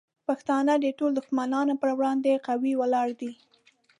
پښتانه د ټولو دشمنانو پر وړاندې قوي ولاړ دي.